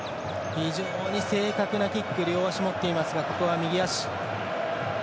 非常に正確なキック両足を持っていますがここは右足。